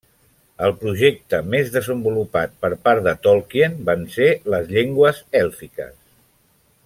El projecte més desenvolupat per part de Tolkien van ser les llengües èlfiques.